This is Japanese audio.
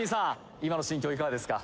今の心境いかがですか